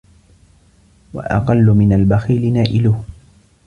وَأَقَلُّ مِنْ الْبَخِيلِ نَائِلُهُ